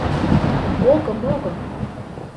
Огым, огым.